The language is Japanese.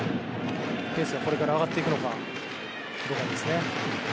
ペースが、これから上がっていくのかどうかですね。